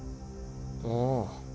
ああ。